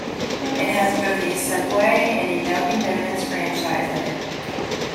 It has both a Subway and a Dunkin' Donuts franchise in it.